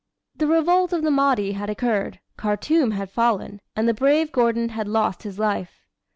The revolt of the Mahdi had occurred, Khartoum had fallen, and the brave Gordon had lost his life.